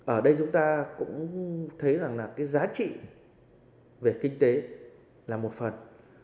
ở đây chúng ta cũng thấy rằng là cái giá trị về kinh tế là một phần